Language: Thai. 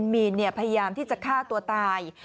มีนพยายามที่จะฆ่าตัวตาย